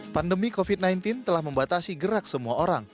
pandemi covid sembilan belas telah membatasi gerak semua orang